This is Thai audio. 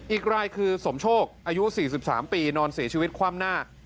อีกรายคือสมโชคอายุ๔๓ปีนอนเสียชีวิตคว่ำหน้า